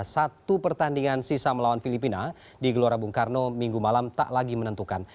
satu pertandingan sisa melawan filipina di gelora bung karno minggu malam tak lagi menentukan